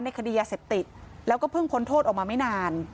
คดียาเสพติดแล้วก็เพิ่งพ้นโทษออกมาไม่นาน